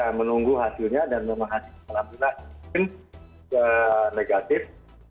kita menunggu hasilnya dan memang alhamdulillah mungkin negatif